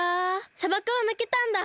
さばくをぬけたんだ。